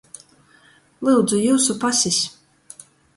Lyudzu, jiusu pasis!